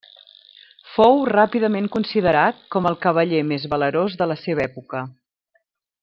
Fou ràpidament considerat com el cavaller més valerós de la seva època.